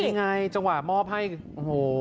นี่ไงจังหวะมอบให้โอ้โห